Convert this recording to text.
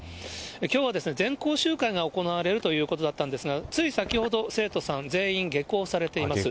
きょうはですね、全校集会が行われるということだったんですが、つい先ほど生徒さん全員下校されています。